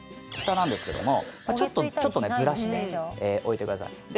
フタなんですけどもちょっとねずらして置いてください。